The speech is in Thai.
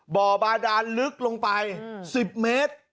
บ่อบาดานลึกลงไป๑๐เมตร